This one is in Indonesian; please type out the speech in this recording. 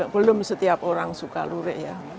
belum setiap orang suka lurik ya